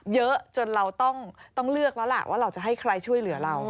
เยอะจนเราต้องเลือกแล้วล่ะว่าเราจะให้ใครช่วยเหลือเรา